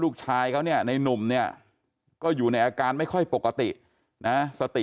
ลูกชายเขาเนี่ยในนุ่มเนี่ยก็อยู่ในอาการไม่ค่อยปกตินะสติ